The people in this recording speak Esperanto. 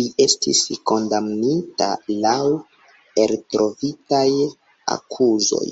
Li estis kondamnita laŭ eltrovitaj akuzoj.